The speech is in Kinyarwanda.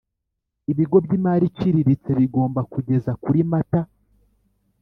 Ibigo by imari iciriritse bigomba kugeza kuri mata